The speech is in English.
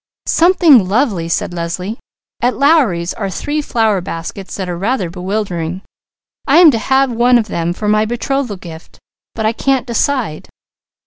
"Something lovely!" said Leslie. "At Lowry's are three flower baskets that are rather bewildering. I am to have one for my betrothal gift, but I can't decide.